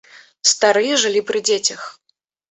Старыя жылі пры дзецях.